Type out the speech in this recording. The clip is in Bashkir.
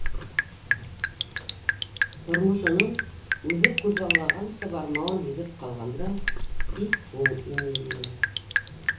Тормошоноң үҙе күҙаллағанса бармауын һиҙеп ҡалғанда, бик һуң ине инде.